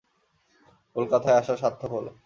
কলকাতায় আসা সার্থক হল।